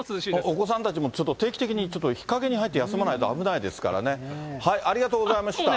お子さんたちもちょっと定期的に日陰に入って休まないと、危ないですからね、ありがとうございました。